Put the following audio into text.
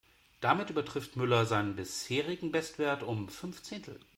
Damit übertrifft Müller seinen bisherigen Bestwert um fünf Zehntel.